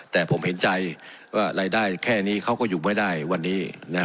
แต่ผมเห็นใจว่ารายได้แค่นี้เขาก็อยู่ไม่ได้วันนี้